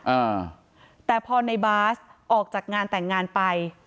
อ่าแต่พอในบาสออกจากงานแต่งงานไป